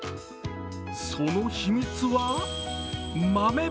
その秘密は豆。